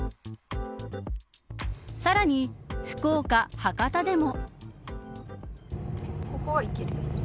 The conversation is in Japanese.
さらに福岡、博多でも。